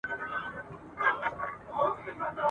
چي هر څو یې مخ پر لوړه کړه زورونه ..